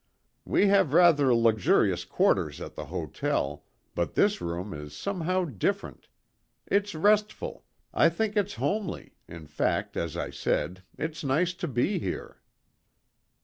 "We have rather luxurious quarters at the hotel, but this room is somehow different. It's restful I think it's homely in fact, as I said, it's nice to be here."